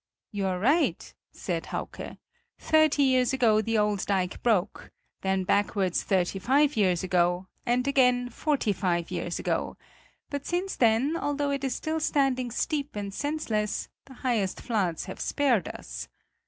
"You are right," said Hauke, "thirty years ago the old dike broke; then backwards thirty five years ago, and again forty five years ago; but since then, although it is still standing steep and senseless, the highest floods have spared us.